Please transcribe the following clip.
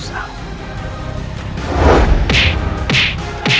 kau enggak bisa berhenti bangun temple ini